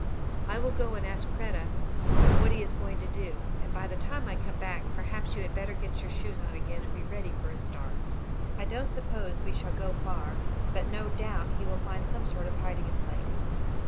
I will go and ask Kreta what he is going to do, and by the time I come back perhaps you had better get your shoes on again, and be ready for a start. I don't suppose we shall go far, but no doubt he will find some sort of hiding place."